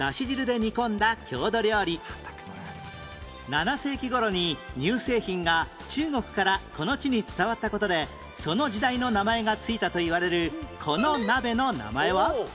７世紀頃に乳製品が中国からこの地に伝わった事でその時代の名前が付いたといわれるこの鍋の名前は？